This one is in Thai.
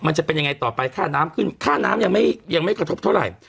มันจะเป็นยังไงต่อไปค่าน้ำขึ้นค่าน้ำยังไม่ยังไม่กระทบเท่าไหร่